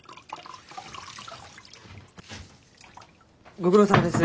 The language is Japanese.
ご苦労さまです。